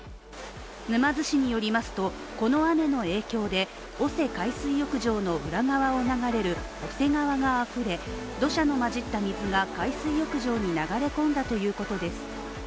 沼津市によりますとこの雨の影響で大瀬海水浴場の裏側を流れる大瀬川があふれ、土砂の混じった水が海水浴場に流れ込んだということです。